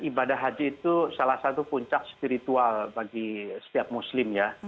ibadah haji itu salah satu puncak spiritual bagi setiap muslim ya